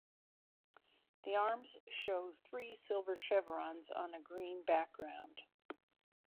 The arms show three silver chevrons on a green background.